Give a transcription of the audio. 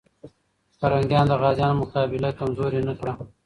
پرنګیان د غازيانو مقابله کمزوري نه کړه.